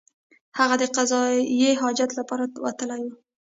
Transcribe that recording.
هغه د قضای حاجت لپاره وتلی وو.